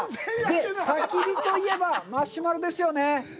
たき火といえばマシュマロですよね？